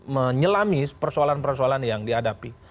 menyelami persoalan persoalan yang dihadapi